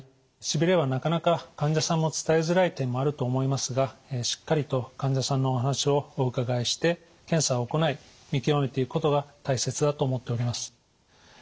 しびれはなかなか患者さんも伝えづらい点もあると思いますがしっかりと患者さんのお話をお伺いして検査を行い見極めていくことが大切だと思っております。